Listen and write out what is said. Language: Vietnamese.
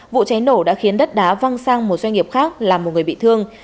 vụ cháy nổ đã khiến đất đá văng sang một doanh nghiệp khác làm một người bị thương